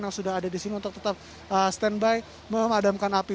yang sudah ada di sini untuk tetap standby memadamkan api